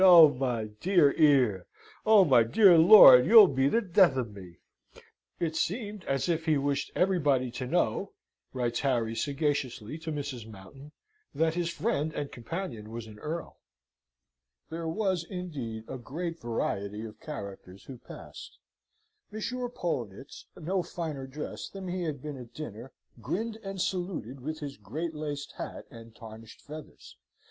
Oh, my dear earl! Oh, my dear lord, you'll be the death of me!" "It seemed as if he wished everybody to know," writes Harry sagaciously to Mrs. Mountain, "that his friend and companion was an Erl!" There was, indeed, a great variety of characters who passed. M. Poellnitz, no finer dressed than he had been at dinner, grinned, and saluted with his great laced hat and tarnished feathers.